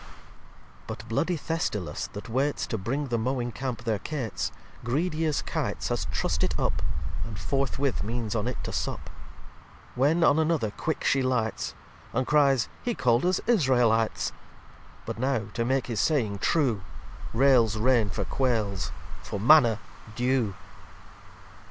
li But bloody Thestylis, that waites To bring the mowing Camp their Cates, Greedy as Kites has trust it up, And forthwith means on it to sup: When on another quick She lights, And cryes, he call'd us Israelites; But now, to make his saying true, Rails rain for Quails, for Manna Dew.